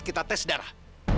kita tes darah